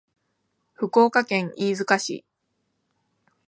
福岡県飯塚市